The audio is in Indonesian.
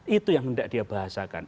itu yang hendak dia bahasakan